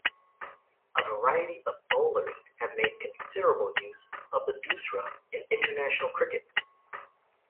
A variety of bowlers have made considerable use of the doosra in international cricket.